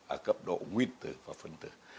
ở cấp độ nguyên tử và phân tử